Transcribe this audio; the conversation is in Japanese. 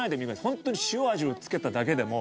ホントに塩味を付けただけでも。